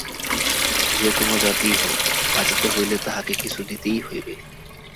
যে-কোনজাতিই হউক, বাঁচিতে হইলে তাহাকে কিছু দিতেই হইবে।